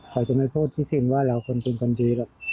ขอจะไม่พูดที่สิ่งว่าเราคนคุณคนดีหรอก